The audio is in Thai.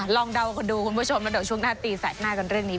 ลองเดาให้เราดูชุมนาฏตีแสกหน้ากันเรื่องนี้